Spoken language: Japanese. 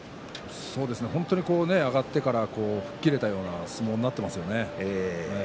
本当に上がってから吹っ切れたような相撲になっていますね。